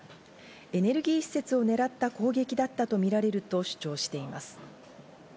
エネルギー施設をねらった攻撃だったとみられると主張しています。